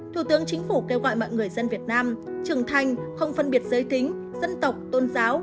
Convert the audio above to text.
thủ tướng chính phủ kêu gọi mọi người dân việt nam trưởng thành không phân biệt giới tính dân tộc tôn giáo